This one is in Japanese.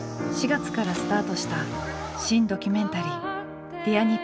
４月からスタートした新・ドキュメンタリー「Ｄｅａｒにっぽん」。